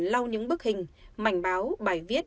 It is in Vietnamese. lau những bức hình mảnh báo bài viết